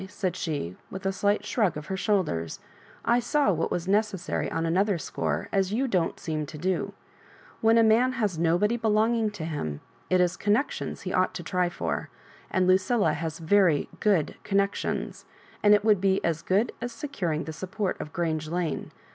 she said, with a slight shrag of her shoulders ;I saw what was necessary on an other score, as you don't seem to da When a man has nobody belonging to him, it is connec tions he ought to try for ; and Lucilla has very good connections; and it would be as good as securing the support of Grange Lane.